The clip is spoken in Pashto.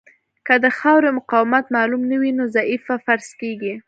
که د خاورې مقاومت معلوم نه وي نو ضعیفه فرض کیږي